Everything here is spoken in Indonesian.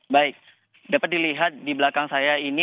baik dapat dilihat di belakang saya ini